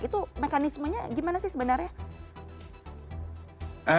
itu mekanismenya gimana sih sebenarnya